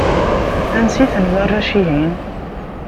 Ansi-ten warrac-ihin?